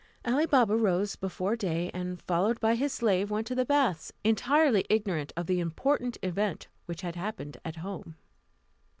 Ali Baba rose before day, and, followed by his slave, went to the baths, entirely ignorant of the important event which had happened at home.